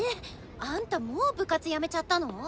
あんたもう部活辞めちゃったの？